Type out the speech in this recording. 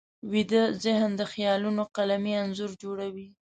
ویده ذهن د خیالونو قلمي انځور جوړوي